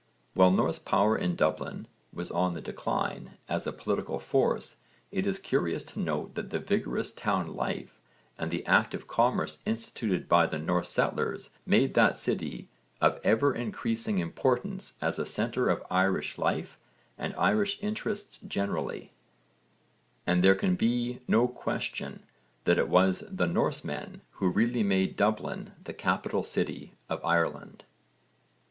While Norse power in Dublin was on the decline as a political force it is curious to note that the vigorous town life and the active commerce instituted by the Norse settlers made that city of ever increasing importance as a centre of Irish life and Irish interests generally, and there can be no question that it was the Norsemen who really made Dublin the capital city of Ireland.